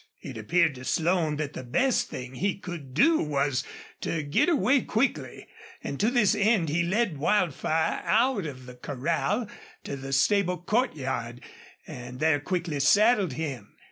It appeared to Slone that the best thing he could do was to get away quickly, and to this end he led Wildfire out of the corral to the stable courtyard, and there quickly saddled him.